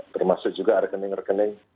termasuk juga rekening rekening